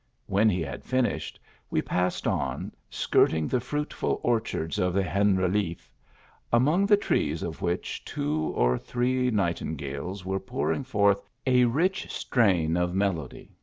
When he had finished, we passed on, skirting the fruitful orchards of the Generaliffe ; among the trees of which two or three nightingales were pouring forth a rich strain of melody.